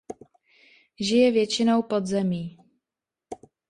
Žije většinou pod zemí.